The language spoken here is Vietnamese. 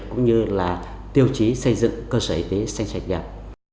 cũng như tiêu chí xây dựng cơ sở y tế sanh sạch đẹp